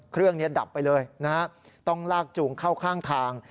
เครื่องนี้ดับไปเลยนะฮะต้องลากจูงเข้าข้างทาง